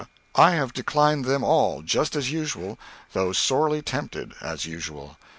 I have declined them all just as usual, though sorely tempted as usual.